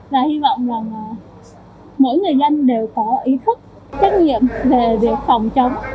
và hy vọng rằng mỗi người dân đều có ý thức trách nhiệm về việc phòng chống